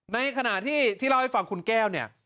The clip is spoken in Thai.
ไม่ขนาดที่ย่าชี่ฟังคุณแก้วเนี่ย